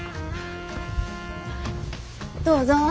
どうぞ。